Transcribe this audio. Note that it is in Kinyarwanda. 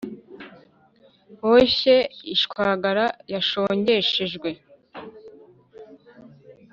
boshye ishwagara yashongeshejwe ;